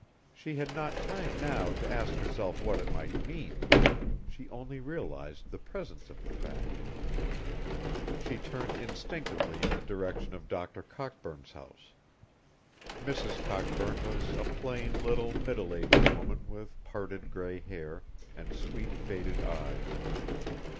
She had not time now to ask herself what it might mean; she only realized the presence of the fact. She turned instinctively in the direction of Doctor Cockburn's house. Mrs. Cockburn was a plain little middle aged woman with parted gray hair and sweet, faded eyes.